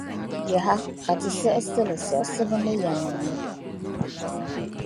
Yaha! Ka Ti siɣisi li, siɣisibu ni yεlimaŋli.